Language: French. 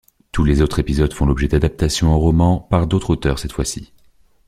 Tous les autres épisodes font l'objet d'adaptations en roman, par d'autres auteurs cette fois-ci.